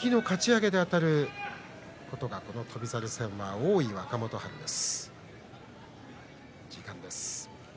右のかち上げであたることがこの翔猿戦は多いです。